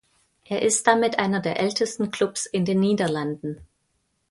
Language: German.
Er ist damit einer der ältesten Klubs in den Niederlanden.